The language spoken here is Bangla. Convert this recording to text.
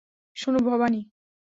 শোন, ভবানী।